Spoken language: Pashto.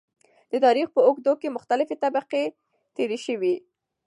د تاريخ په اوږدو کې مختلفې طبقې تېرې شوي .